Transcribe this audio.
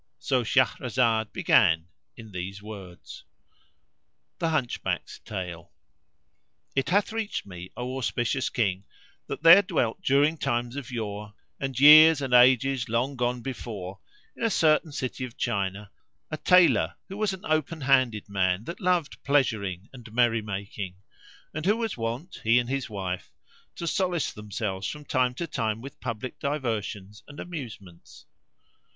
So Shahrazad began, in these words,[FN#495] THE HUNCHBACK'S TALE. It hath reached me, O auspicious King, that there dwelt during times of yore, and years and ages long gone before, in a certain city of China,[FN#496] a Tailor who was an open handed man that loved pleasuring and merry making; and who was wont, he and his wife, to solace themselves from time to time with public diversions and amusements.